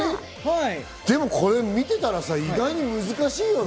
これ見てたらさ、意外に難しいよね。